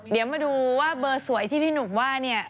เดี๋ยวมาดูว่าเบอร์สวยที่พี่หนุ่มว่าเนี่ย